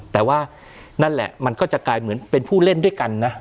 แต่ว่านั่นแหละมันก็จะกลายเหมือนเป็นผู้เล่นด้วยกันนะ